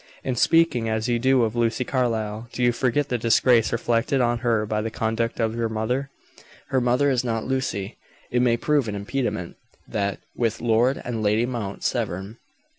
"In speaking as you do of Lucy Carlyle, do you forget the disgrace reflected on her by the conduct of her mother?" "Her mother is not Lucy." "It may prove an impediment, that, with Lord and Lady Mount Severn."